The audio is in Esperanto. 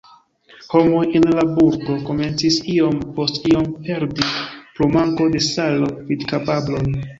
Homoj en la burgo komencis iom post iom perdi pro manko de salo vidkapablon.